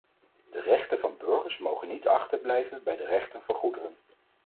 De rechten van burgers mogen niet achterblijven bij de rechten van goederen.